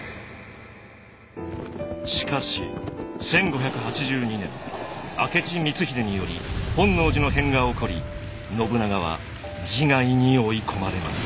しかし１５８２年明智光秀により本能寺の変が起こり信長は自害に追い込まれます。